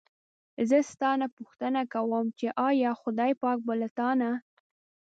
زه ستا نه پوښتنه کووم چې ایا خدای پاک به له تا نه.